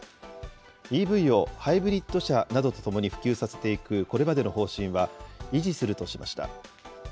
ＥＶをハイブリッド車などとともに普及させていくこれまでの方針は、維持するとしました。